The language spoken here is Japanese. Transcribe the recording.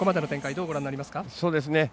どうご覧になりますか？